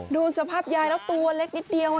ดูสภาพยายแล้วตัวเล็กนิดเดียว